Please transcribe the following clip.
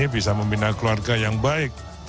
bisa membina keluarga yang baik